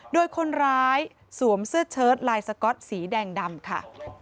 โดยคนร้ายสวมเสื้อเชิดลายสก๊อตสีแดงดำค่ะ